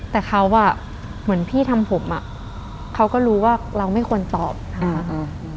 แต่เขาอ่ะเหมือนพี่ทำผมอ่ะเขาก็รู้ว่าเราไม่ควรตอบนะคะอืม